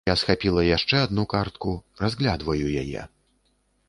Я схапіла яшчэ адну картку, разглядваю яе.